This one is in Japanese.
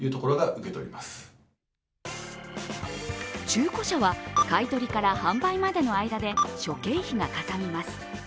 中古車は買い取りから販売までの間で諸経費がかさみます。